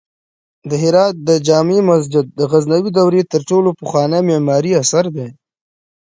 د هرات د جمعې مسجد د غزنوي دورې تر ټولو پخوانی معماری اثر دی